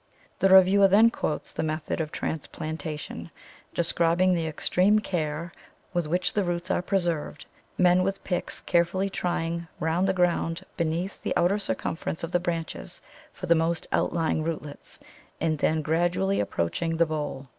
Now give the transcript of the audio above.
The reviewer then quotes the method of transplantation, describing the extreme care with which the roots are preserved, men with picks carefully trying round the ground beneath the outer circumference of the branches for the most outlying rootlets, and then gradually approaching the bole.